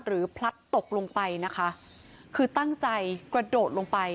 พลัดตกลงไปนะคะคือตั้งใจกระโดดลงไป